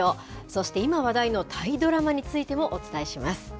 そして今話題のタイドラマについてもお伝えします。